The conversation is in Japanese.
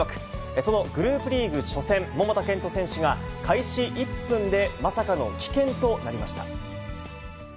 そのグループリーグ初戦、桃田賢斗選手が、開始１分でまさかの棄権となりました。